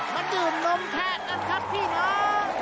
มาดื่มนมแทะกันครับพี่น้อง